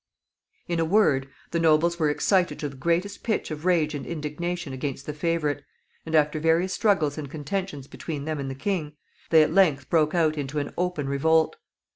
In a word, the nobles were excited to the greatest pitch of rage and indignation against the favorite, and, after various struggles and contentions between them and the king, they at length broke out into an open revolt.